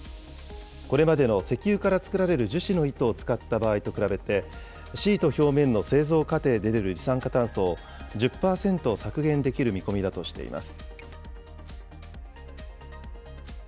これまでの石油から作られる樹脂の糸を使った場合と比べて、シート表面の製造過程で出る二酸化炭素を１０％削減できる見込みだとしています。